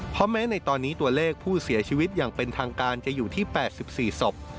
เพราะแม้ในตอนนี้ตัวเลขผู้เสียชีวิตอย่างเป็นทางการจะอยู่ที่๘๔ศพ